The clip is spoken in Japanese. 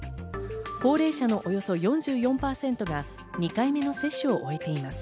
高齢者のおよそ４４％が２回目の接種を終えています。